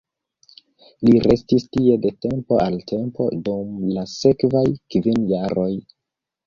Li restis tie de tempo al tempo dum la sekvaj kvin jaroj.